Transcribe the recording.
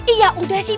ih ya udah sih